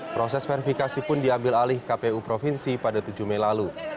proses verifikasi pun diambil alih kpu provinsi pada tujuh mei lalu